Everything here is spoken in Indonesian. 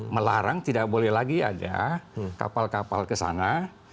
melarang tidak boleh lagi ada kapal kapal kesana